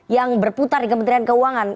yang berputar di kementerian keuangan